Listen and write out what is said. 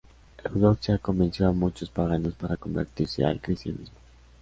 Eudoxia convenció a muchos paganos para convertirse al cristianismo.